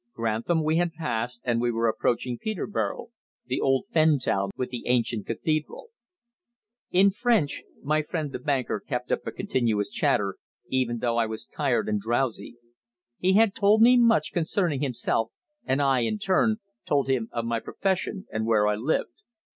Grantham we had passed and we were approaching Peterborough, the old fen town with the ancient cathedral. In French my friend the banker kept up a continuous chatter, even though I was tired and drowsy. He had told me much concerning himself, and I, in turn, told him of my profession and where I lived.